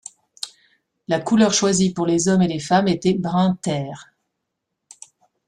La couleur choisie pour les hommes et les femmes était brun terre.